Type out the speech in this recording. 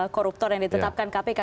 koruptor yang ditetapkan kpk